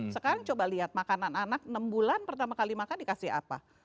sekarang coba lihat makanan anak enam bulan pertama kali makan dikasih apa